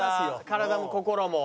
体も心も。